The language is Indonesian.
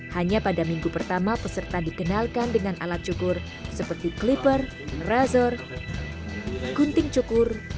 hanya pada minggu pertama peserta dikenalkan dengan alat cukur seperti klipper razor gunting kaki dan gunting kabel